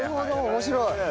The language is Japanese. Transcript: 面白い！